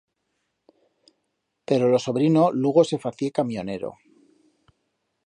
Pero lo sobrino lugo se facié camionero.